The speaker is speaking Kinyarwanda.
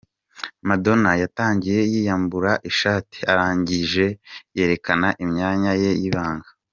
Madonna yatangiye yiyambura ishati, arangije yerekana imyanya ye y'ibanga.